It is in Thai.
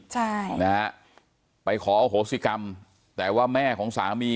ใช่นะฮะไปขออโหสิกรรมแต่ว่าแม่ของสามี